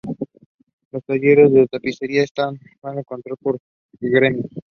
Los talleres de tapicería no estaban controlados por gremios.